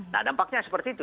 nah dampaknya seperti itu